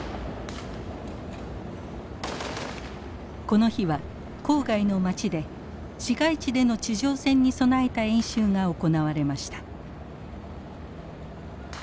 この日は郊外の町で市街地での地上戦に備えた演習が行われました。